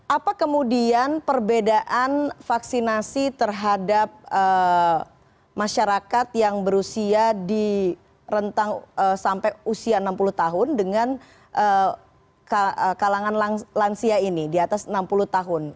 apa kemudian perbedaan vaksinasi terhadap masyarakat yang berusia di rentang sampai usia enam puluh tahun dengan kalangan lansia ini di atas enam puluh tahun